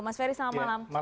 mas ferry selamat malam